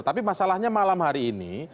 tapi masalahnya malam hari ini